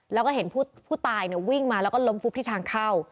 แล้วก็เห็นผู้ตายวิ่งมาแล้วก็ล้มฟุบที่ทางเข้า